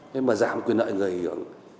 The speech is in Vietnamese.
thế mà giảm quyền đợi người hưởng